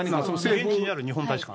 現地にある日本大使館。